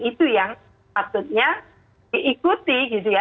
itu yang patutnya diikuti gitu ya